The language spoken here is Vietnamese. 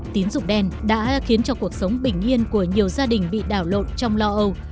tín dụng đen đã khiến cho cuộc sống bình yên của nhiều gia đình bị đảo lộn trong lo âu